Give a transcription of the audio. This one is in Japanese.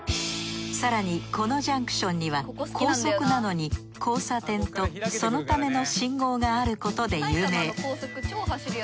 更にこのジャンクションには高速なのに交差点とそのための信号があることで有名。